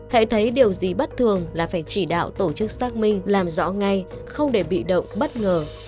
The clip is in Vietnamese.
hãy thấy điều gì bất thường là phải chỉ đạo tổ chức xác minh làm rõ ngay không để bị động bất ngờ